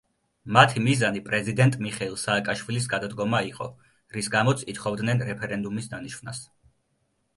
მათი მიზანი პრეზიდენტ მიხეილ სააკაშვილის გადადგომა იყო, რის გამოც ითხოვდნენ რეფერენდუმის დანიშვნას.